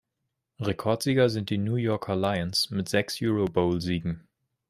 Rekordsieger sind die New Yorker Lions mit sechs Eurobowl-Siegen.